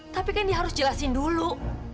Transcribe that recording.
tapi kan dia harus jelasin dulu